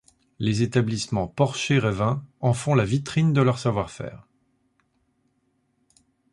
Les établissements Porcher-Revin en font la vitrine de leur savoir-faire.